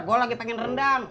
gue lagi pengen rendang